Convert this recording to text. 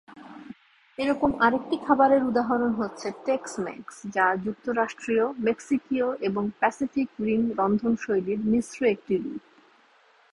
এরকম আরেকটি খাবারের উদাহরণ হচ্ছে টেক্স-মেক্স যা যুক্তরাষ্ট্রীয়, মেক্সিকীয় এবং প্যাসিফিক রিম রন্ধনশৈলীর মিশ্র একটি রূপ।